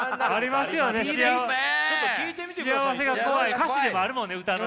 歌詞にもあるもんね歌のね。